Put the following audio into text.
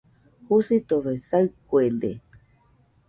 Jusitofe saɨkuede.